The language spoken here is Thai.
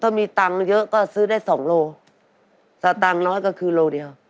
ถ้ามีเงินเยอะก็ซื้อได้สองโลสาธารย์เล่นก็คือลูกเดียว